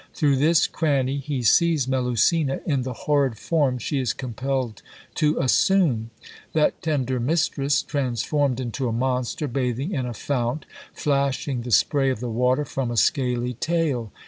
Through this cranny he sees Melusina in the horrid form she is compelled to assume. That tender mistress, transformed into a monster bathing in a fount, flashing the spray of the water from a scaly tail!